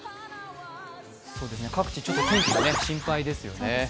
各地ちょっと天気が心配ですよね。